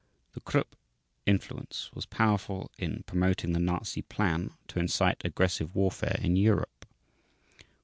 The Krupp influence was powerful in promoting the Nazi plan to incite aggressive warfare in Europe.